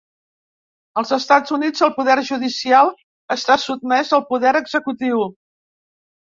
Als Estats Units, el poder judicial està sotmès al poder executiu.